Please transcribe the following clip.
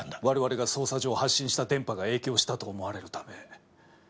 我々が捜査上発信した電波が影響したと思われるため。